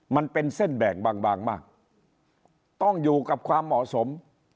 มันเป็นเส้นแบ่งบางมากต้องอยู่กับความเหมาะสม